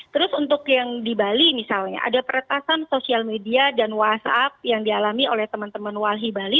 terus untuk yang di bali misalnya ada peretasan sosial media dan whatsapp yang dialami oleh teman teman walhi bali